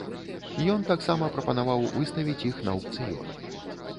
Ён таксама прапанаваў выставіць іх на аўкцыён.